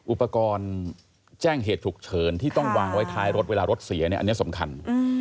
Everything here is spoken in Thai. อุปกรณ์แจ้งเหตุฉุกเฉินที่ต้องวางไว้ท้ายรถเวลารถเสียเนี่ยอันนี้สำคัญ